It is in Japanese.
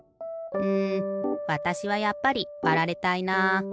うんわたしはやっぱりわられたいな。